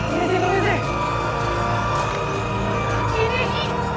tidak tidak tidak